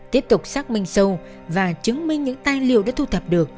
tiếp tục xác minh sâu và chứng minh những tài liệu đã thu thập được